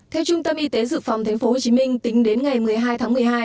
theo trung tâm y tế dự phòng tp hcm tính đến ngày một mươi hai tháng một mươi hai